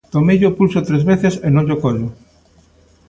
Tomeille o pulso tres veces e non llo collo.